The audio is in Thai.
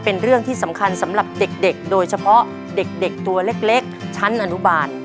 เป็นเรื่องที่สำคัญสำหรับเด็กโดยเฉพาะเด็กตัวเล็กชั้นอนุบาล